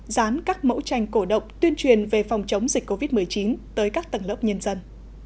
dán các mẫu tranh cổ động tuyên truyền về phòng chống dịch covid một mươi chín tới các tầng lớp nhân dân